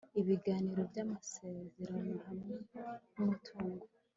ibiganiro byamasezerano hamwe numutungo